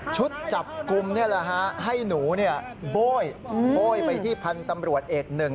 จับกลุ่มนี่แหละฮะให้หนูโบ้ยโบ้ยไปที่พันธุ์ตำรวจเอกหนึ่ง